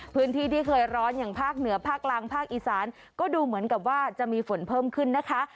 พื้นที่ที่เคยร้อนอย่างภาคเหนือภาคกลางภาคอีสานก็ดูเหมือนกับว่าจะมีฝนเพิ่มขึ้นนะคะ